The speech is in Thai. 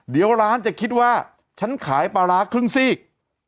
เดี๋ยวร้านจะคิดว่าฉันขายปลาร้าครึ่งซีก